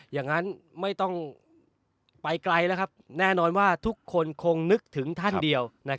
อย่างนั้นไม่ต้องไปไกลแล้วครับแน่นอนว่าทุกคนคงนึกถึงท่านเดียว